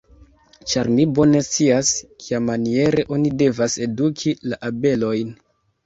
Ĉar mi bone scias, kiamaniere oni devas eduki la abelojn.